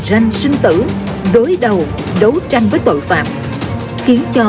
và từ câu chuyện về sự hy sinh